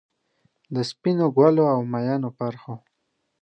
د سپینو ګلو، اومیینو پرخو،